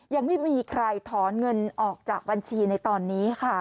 ยังไม่มีใครถอนเงินออกจากบัญชีในตอนนี้ค่ะ